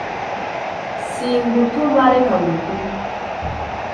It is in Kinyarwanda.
singutuma reka ngutume